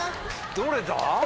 どれだ？